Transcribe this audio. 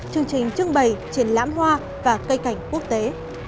chương trình trưng bày triển lãm hoa và cây cảnh quốc tế